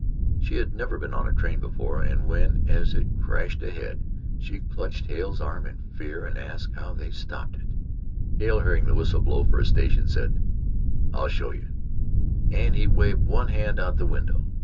She had never been on a train before and when, as it crashed ahead, she clutched Hale's arm in fear and asked how they stopped it, Hale hearing the whistle blow for a station, said: "I'll show you," and he waved one hand out the window.